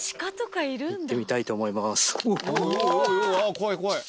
怖い怖い。